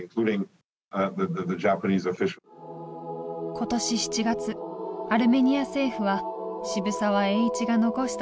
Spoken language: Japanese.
今年７月アルメニア政府は渋沢栄一が残した功績をたたえ